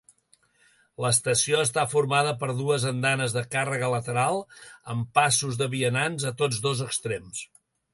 L'estació està formada per dues andanes de càrrega lateral amb passos de vianants a tots dos extrems.